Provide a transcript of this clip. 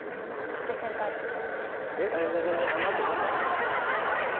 「スペシャルバージョンで」。